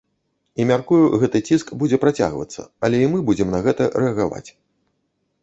І, мяркую, гэты ціск будзе працягвацца, але і мы будзем на гэта рэагаваць.